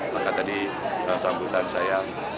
maka tadi sambutan saya